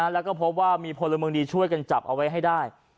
แล้วก็พบว่ามีพลเมืองดีช่วยกันจับเอาไว้ให้ได้